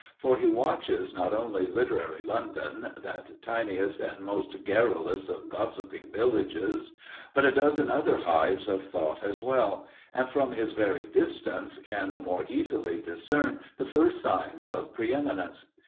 For he watches not only literary London, that tiniest and most garrulous of gossiping villages, but a dozen other hives of thought as well, and from his very distance can the more easily discern the first signs of pre eminence.